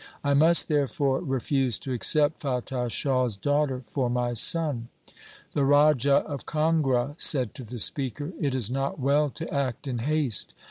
I must therefore refuse to accept Fatah Shah's daughter for my son.' The Raja of Kangra said to the speaker, ' It is not well to act in haste.